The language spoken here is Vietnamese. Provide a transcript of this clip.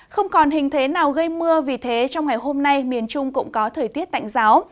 không còn hình thế nào gây mưa vì thế trong ngày hôm nay miền trung cũng có thời tiết tạnh giáo